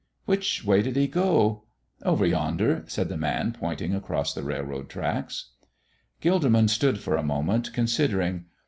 "Which way did He go?" "Over yonder," said the man, pointing across the railroad tracks. Gilderman stood for a moment considering.